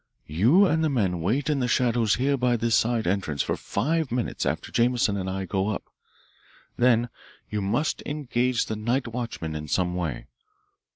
You and the men wait in the shadow here by this side entrance for five minutes after Jameson and I go up. Then you must engage the night watchman in some way.